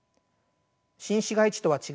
新市街地とは違い